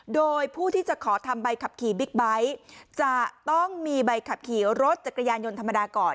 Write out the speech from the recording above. โดยผู้ที่จะขอทำใบขับขี่บิ๊กไบท์จะต้องมีใบขับขี่รถจักรยานยนต์ธรรมดาก่อน